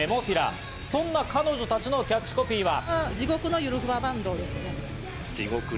そんな彼女たちのキャッチコピーは。